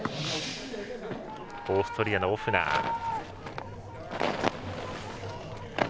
オーストリアのオフナー。